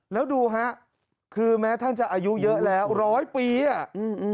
แล้วดูฮะคือแม้ท่านจะอายุเยอะแล้วร้อยปีอ่ะอืม